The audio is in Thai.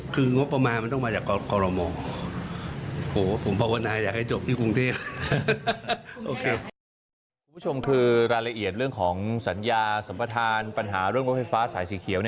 คุณผู้ชมคือรายละเอียดเรื่องของสัญญาสัมประธานปัญหาเรื่องรถไฟฟ้าสายสีเขียว